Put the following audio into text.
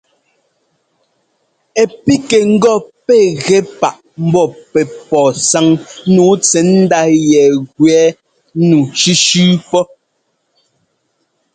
Ɛ́ pígɛ ŋgɔ pɛ́ gɛ páꞌ ḿbɔ́ pɛ́ pɔ́ɔ sáŋ nǔu tsɛ̌ndá yɛ gẅɛɛnɛ́ ŋu sʉ́sʉ́ pɔ́.